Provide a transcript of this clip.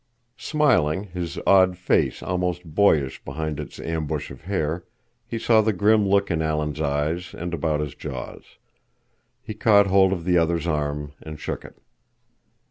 Smiling, his odd face almost boyish behind its ambush of hair, he saw the grim look in Alan's eyes and about his jaws. He caught hold of the other's arm and shook it.